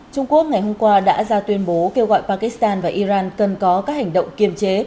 trung quốc ngày hôm qua đã ra tuyên bố kêu gọi pakistan và iran cần có các hành động kiềm chế